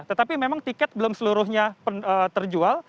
tetapi memang tiket belum seluruhnya terjual